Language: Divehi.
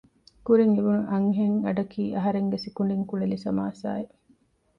ކުރިން އިވުނު އަންހެން އަޑަކީ އަހަރެންގެ ސިކުނޑިން ކުޅެލި ސަމާސާއެއް